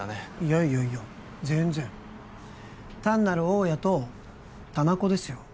いやいや全然単なる大家と店子ですよ